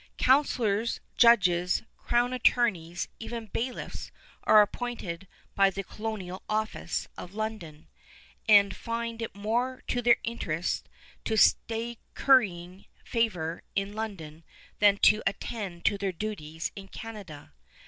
Councilors, judges, crown attorneys, even bailiffs are appointed by the colonial office of London, and find it more to their interests to stay currying favor in London than to attend to their duties in Canada.